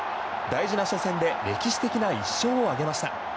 大事な初戦で歴史的な１勝を挙げました。